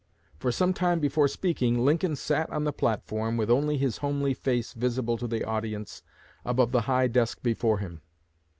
For some time before speaking, Lincoln sat on the platform with only his homely face visible to the audience above the high desk before him.